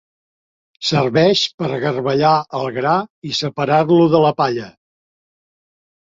Serveix per garbellar el gra i separar-lo de la palla.